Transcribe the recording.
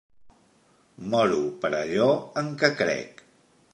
Moro per allò en què crec.